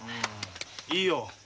いいよ。